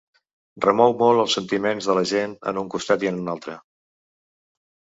Remou molt els sentiments de la gent en un costat i en un altre.